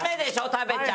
食べちゃ。